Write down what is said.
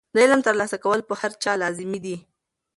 د علم ترلاسه کول په هر چا لازمي دي.